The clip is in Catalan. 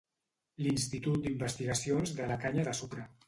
L'institut d'Investigacions de la Canya de Sucre.